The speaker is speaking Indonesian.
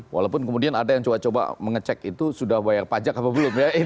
walaupun kemudian ada yang coba coba mengecek itu sudah bayar pajak apa belum ya